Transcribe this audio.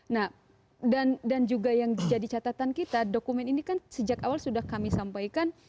nah dan juga yang jadi catatan kita dokumen ini kan sejak awal sudah kami sampaikan